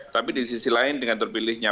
tapi di sisi lain dengan terpilihnya